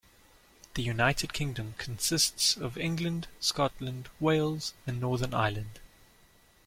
The United Kingdom consists of England, Scotland, Wales and Northern Ireland.